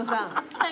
はい。